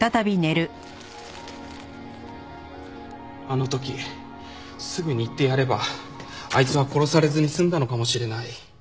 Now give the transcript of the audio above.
あの時すぐに行ってやればあいつは殺されずに済んだのかもしれない。